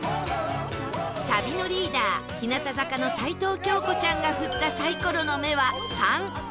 旅のリーダー日向坂の齊藤京子ちゃんが振ったサイコロの目は「３」